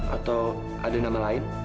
atau ada nama lain